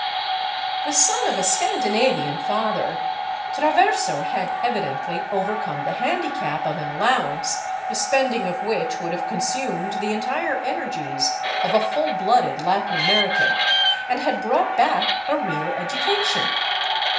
The son of a Scandinavian father, Traverso had evidently over come the handicap of an allowance the spending of which would have consumed the entire energies of a full blooded Latin American, and had brought back a real education.